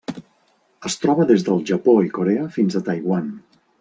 Es troba des del Japó i Corea fins a Taiwan.